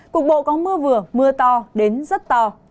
cục bộ có mưa vừa mưa to đến rất to